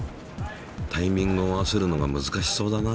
タイミングを合わせるのが難しそうだな。